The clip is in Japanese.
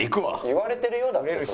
言われてるよだってそれ。